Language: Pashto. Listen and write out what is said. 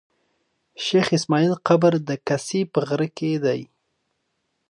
شېخ اسماعیل قبر د کسي په غره کښي دﺉ.